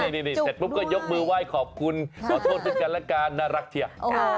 จุกด้วยเสร็จปุ๊บก็ยกมือว่ายขอบคุณขอโทษคือกันละการน่ารักเทีย